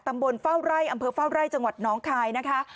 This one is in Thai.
เฝ้าไร่อำเภอเฝ้าไร่จังหวัดน้องคายนะคะ